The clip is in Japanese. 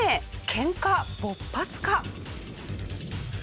ケンカ勃発か？